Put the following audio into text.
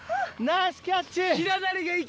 ナイスキャッチ！